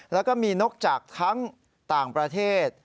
แล้วก็มีนกจากทั้งต่างประเทศ